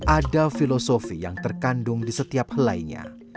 ada filosofi yang terkandung di setiap helainya